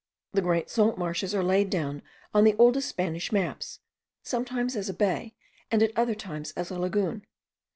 The great salt marshes are laid down on the oldest Spanish maps, sometimes as a bay, and at other times as a lagoon.